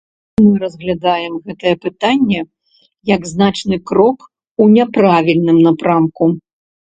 Мы разглядаем гэтае пытанне як значны крок у няправільным напрамку.